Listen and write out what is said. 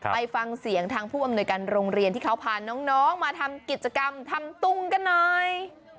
ไปฟังเสียงทางผู้อำนวยการโรงเรียนที่เขาพาน้องมาทำกิจกรรมทำตุ้งกันหน่อย